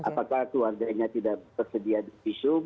apakah keluarganya tidak tersedia di visum